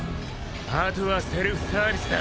あとはセルフサービスだ！